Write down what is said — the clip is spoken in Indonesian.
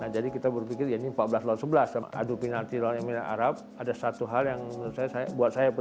jadi kita berpikir ini empat belas lawan sebelas aduh penalti lawan emirates arab ada satu hal yang menurut saya buat saya penuh